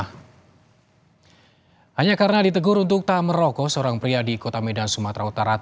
hanya karena ditegur untuk tak merokok seorang pria di kota medan sumatera utara